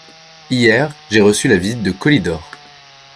Hier, j'ai reçu la visite de Colydor.